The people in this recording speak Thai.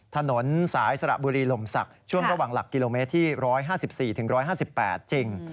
ถนนสายสระบุรีลมศักดิ์ช่วงระหว่างหลักกิโลเมตรที่๑๕๔๑๕๘จริง